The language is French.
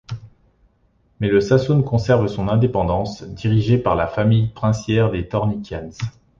Mais le Sassoun conserve son indépendance, dirigé par la famille princière des Thornikians.